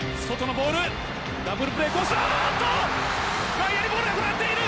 外野にボールが転がっている。